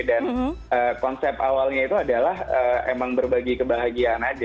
dan konsep awalnya itu adalah emang berbagi kebahagiaan aja